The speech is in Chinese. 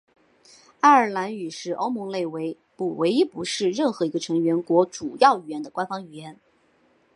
爱尔兰语是欧盟内部唯一不是任何一个成员国主要语言的官方语言。